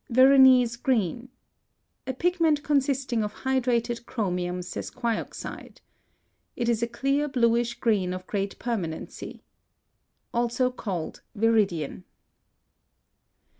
VERONESE GREEN. A pigment consisting of hydrated chromium sesquioxide. It is a clear bluish green of great permanency. Also called Viridian.